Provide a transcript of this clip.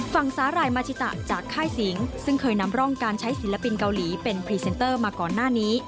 สาหร่ายมาชิตะจากค่ายสิงซึ่งเคยนำร่องการใช้ศิลปินเกาหลีเป็นพรีเซนเตอร์มาก่อนหน้านี้